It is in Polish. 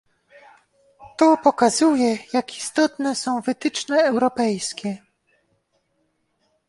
To pokazuje, jak istotne są wytyczne europejskie